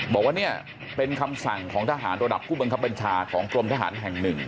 บอกว่าเนี่ยเป็นคำสั่งของทหารระดับผู้บังคับบัญชาของกรมทหารแห่งหนึ่ง